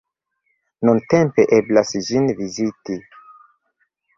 Nuntempe eblas ĝin viziti.